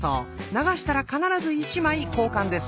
流したら必ず１枚交換です。